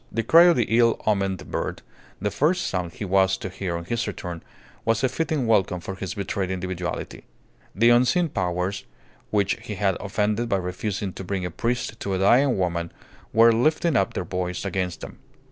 The cry of the ill omened bird, the first sound he was to hear on his return, was a fitting welcome for his betrayed individuality. The unseen powers which he had offended by refusing to bring a priest to a dying woman were lifting up their voice against him.